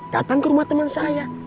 datang ke rumah teman saya